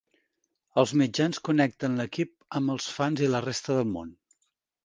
Els mitjans connecten l'equip amb els fans i la resta del món.